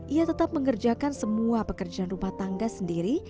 ia tetap mengerjakan semua pekerjaan rumah tangga sendiri